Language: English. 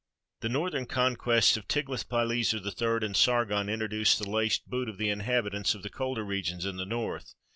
The northern conquests of Tiglath pileser III and Sargon introduced the laced boot of the inhabitants of the colder regions in the north.